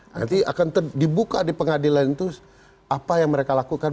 nanti akan dibuka di pengadilan itu apa yang mereka lakukan